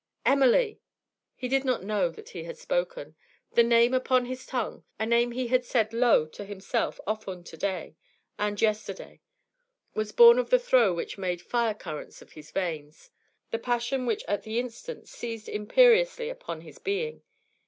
'Emily!' He did not know that he had spoken. The name upon his tongue, a name he had said low to himself often to day and yesterday, was born of the throe which made fire currents of his veins, the passion which at the instant seized imperiously upon his being.